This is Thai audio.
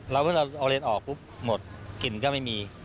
แล้วเวลาเอาเลนออกปุ๊บหมดกลิ่นก็ไม่มี